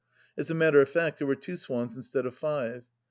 As a matter of fact, there were two swans instead of five.